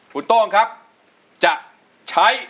คุณโต้งครับจะใช้